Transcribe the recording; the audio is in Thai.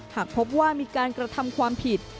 หากพบว่ามีการกระทำความผิด